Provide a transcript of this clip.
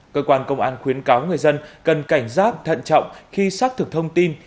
cơ quan công an khuyến cáo người dân cần cảnh giác thận trọng khi xác thực thông tin